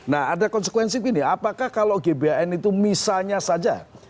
nah ada konsekuensi begini apakah kalau gbhn itu misalnya saja